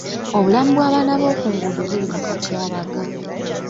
Obulamu bw'abaana bo ku nguudo bali mu katyabaga.